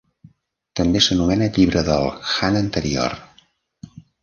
També s'anomena Llibre del Han Anterior.